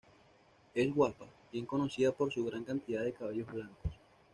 Es guapa, bien conocida por su gran cantidad de cabellos blancos.